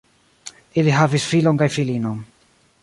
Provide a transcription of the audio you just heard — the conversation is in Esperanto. Ili havis filon kaj filinon.